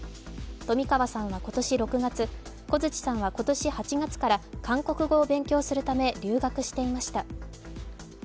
冨川さんは今年６月小槌さんは今年８月から韓国語を勉強するため留学していました。